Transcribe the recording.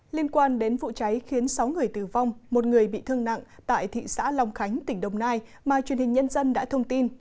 liên quan đến vụ cháy khiến sáu người tử vong một người bị thương nặng tại thị xã long khánh tỉnh đồng nai mà truyền hình nhân dân đã thông tin